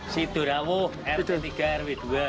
sidurawuh r tiga rw dua